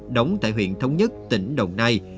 đóng tại huyện thống nhất tỉnh đồng nai